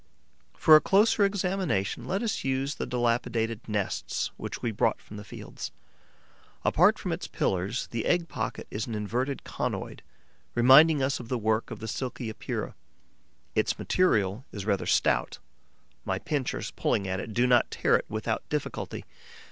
For a closer examination, let us use the dilapidated nests which we brought from the fields. Apart from its pillars, the egg pocket is an inverted conoid, reminding us of the work of the Silky Epeira. Its material is rather stout; my pincers, pulling at it, do not tear it without difficulty.